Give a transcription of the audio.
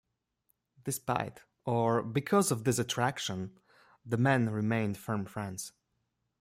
Despite or because of this attraction, the men remained firm friends.